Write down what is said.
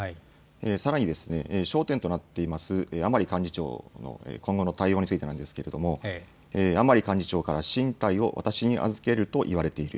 さらに、焦点となっています、甘利幹事長の今後の対応についてなんですけれども、甘利幹事長から進退を、私に預けると言われている。